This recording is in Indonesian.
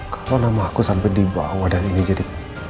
kalau nama aku sampai dibawa dan ini jadi